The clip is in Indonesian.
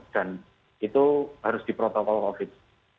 dan itu harus diprotokol covid